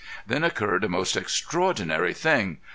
Then occurred a most extraordinary thing.